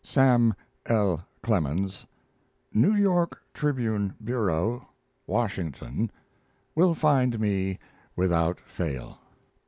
SAM. L. CLEMENS, New York Tribune Bureau, Washington will find me, without fail.